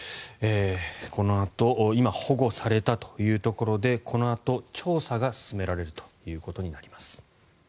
このあと今、保護されたというところでこのあと調査が進められるということになります。